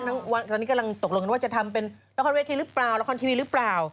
ตอนนี้กำลังตกลงกันว่าจะทำเป็นละครเวทีหรือเปล่าละครทีวีหรือเปล่า